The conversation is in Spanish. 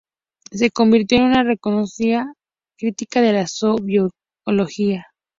Se convirtió en una reconocida crítica de la sociobiología.